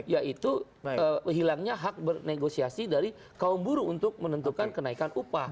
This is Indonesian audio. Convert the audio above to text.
yaitu hilangnya hak bernegosiasi dari kaum buruh untuk menentukan kenaikan upah